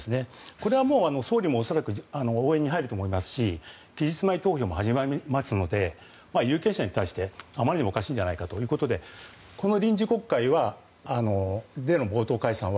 これは総理も恐らく応援に入ると思いますし期日前投票も始まりますので有権者に対してあまりにもおかしいんじゃないかということでこの臨時国会での冒頭解散は。